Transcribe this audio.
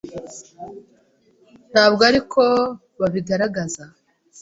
ntabwo ari ko babigaragaza